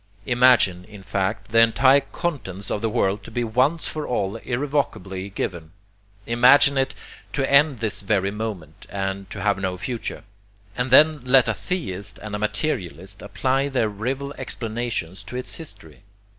Imagine, in fact, the entire contents of the world to be once for all irrevocably given. Imagine it to end this very moment, and to have no future; and then let a theist and a materialist apply their rival explanations to its history.